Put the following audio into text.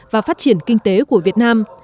và phát triển kinh tế của việt nam